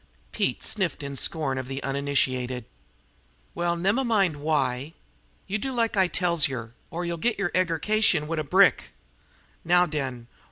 Pete sniffed in scorn of the uninitiated. "Well, nemmine why! You do like I tells yer, or yer'll git yer eggercation wid a brick. Now den!